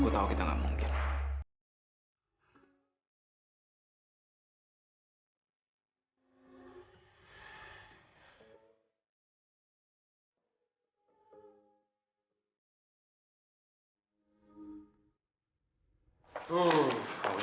kita kan tidak mungkin raz